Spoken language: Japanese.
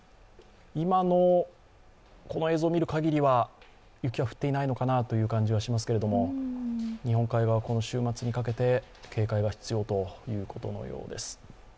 今のこの映像を見るかぎりは雪が降っていないのかなという感じがしますけど、日本海側、今週末にかけて警戒が必要ということのようです。